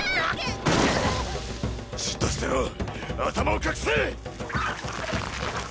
じっとしてろ頭を隠せ！